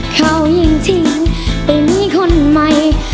เขายังทิ้งเป็นคนใหม่